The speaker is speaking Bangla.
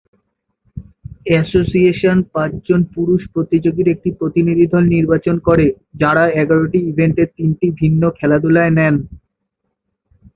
এসোসিয়েশন পাঁচজন পুরুষ প্রতিযোগীর একটি প্রতিনিধিদল নির্বাচন করে, যারা এগারটি ইভেন্টের তিনটি ভিন্ন খেলাধুলায় নেন।